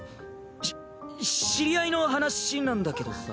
し知り合いの話なんだけどさ。